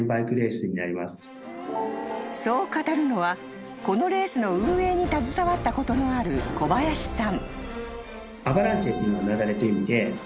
［そう語るのはこのレースの運営に携わったことのある小林さん］